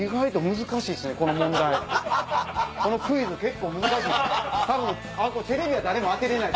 このクイズ結構難しい。